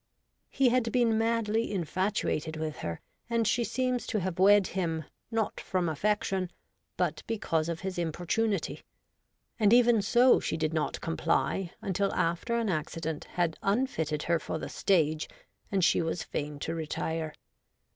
He had been madly infatuated with her, and she seems to have wed him, not from affection, but because of his importunity ; and, even so, she did not comply until after an accident had unfitted her for the stage, and she was fain to retire.